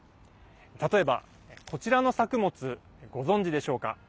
例えば、こちらの作物ご存じでしょうか。